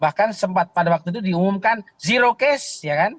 bahkan sempat pada waktu itu diumumkan zero case